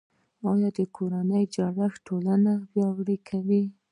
د کورنۍ جوړښت ټولنه پیاوړې کوي